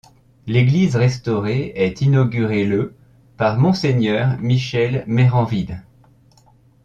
L'église restaurée est inauguré le par Monseigneur Michel Méranville.